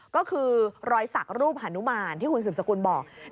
ก็คือรอยสักรูปฮานุมานที่คุณสืบสกุลบอก